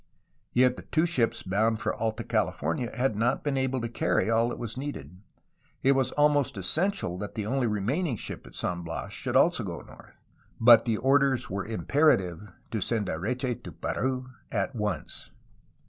Yet the two ships bound for Alta California had not been able to carry all that was needed; it was almost essential that the only remaining ship at San Bias should also go north, — but the orders were imperative to send Areche to Peru at once.